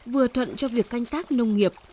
vừa thuận cho việc canh tác nông nghiệp